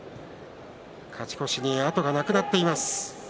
勝ち越しに後がなくなっています。